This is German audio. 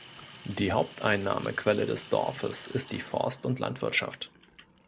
Die Haupteinnahmequelle des Dorfes ist die Forst- und Landwirtschaft.